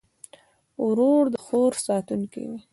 ورور د خور ساتونکی وي.